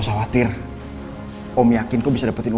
saya periksa dulu